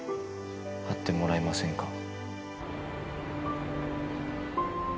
会ってもらえませんか？